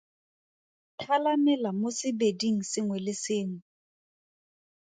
Thala mela mo sebeding sengwe le sengwe.